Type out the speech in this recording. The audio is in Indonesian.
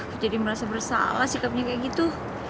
aku jadi merasa bersalah sikapnya kayak gitu